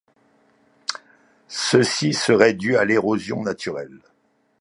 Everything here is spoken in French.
Ceci serait dû à l'érosion naturelle.